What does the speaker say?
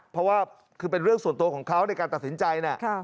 เพราะว่าคือเป็นเรื่องส่วนตัวของเขาในการตัดสินใจเนี่ย